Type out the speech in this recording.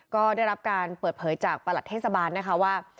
ก็ได้รับการเปิดเผยจากประหลัดเทศบาลนะคะว่า